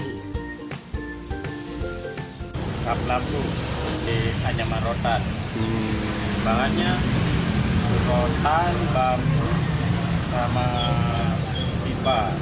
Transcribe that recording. lampion di kanyaman rotan bambu dan pipa